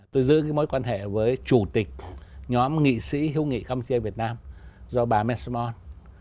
tôi giữ cái mối quan hệ với chủ tịch nhóm nghị sĩ hữu nghị campuchia việt nam do bà mes